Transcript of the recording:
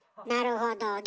なるほど。